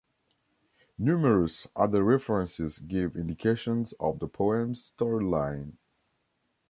Numerous other references give indications of the poem's storyline.